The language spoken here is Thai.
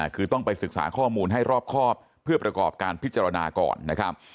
คือต้องไปศึกษาข้อมูลให้รอบครอบเพื่อประกอบการพิจารณาก่อนนะครับ